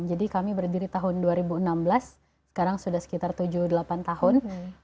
jadi kami berdiri tahun dua ribu enam belas sekarang sudah sekitar tujuh delapan tahun